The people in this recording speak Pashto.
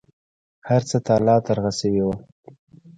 هر څه تالا ترغه شوي وو.